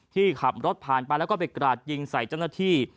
ที่ขับรถผ่านไปแล้วก็ไปกราดยิงใส่เจ้าหน้าที่